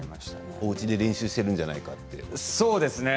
おうちで練習しているんじゃないかと。